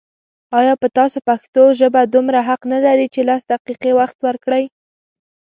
آيا په تاسو پښتو ژبه دومره حق نه لري چې لس دقيقې وخت ورکړئ